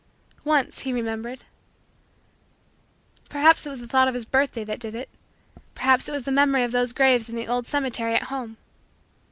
Once, he remembered Perhaps it was the thought of his birthday that did it; perhaps it was the memory of those graves in the old cemetery at home.